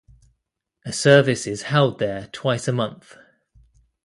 A service is held there twice a month.